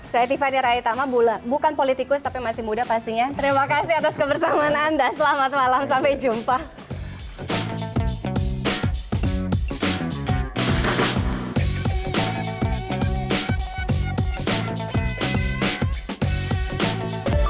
saya tivani raditama bukan politikus tapi masih muda pastinya